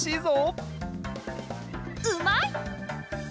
うまい！